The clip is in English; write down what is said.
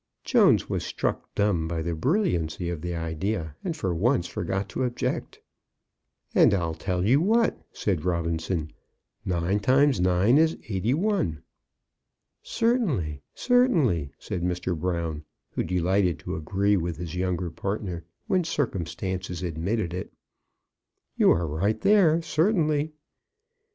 Jones was struck dumb by the brilliancy of the idea, and for once forgot to object. "And, I'll tell you what," said Robinson "nine times nine is eighty one." "Certainly, certainly," said Mr. Brown, who delighted to agree with his younger partner when circumstances admitted it. "You are right there, certainly."